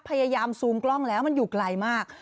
พยายามซูมกล้องแล้วมันอยู่ไกลมาก